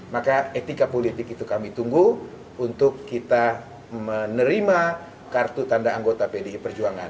maka etika politik itu kami tunggu untuk kita menerima kartu tanda anggota pdi perjuangan